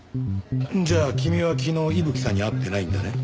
じゃあ君は昨日伊吹さんに会ってないんだね？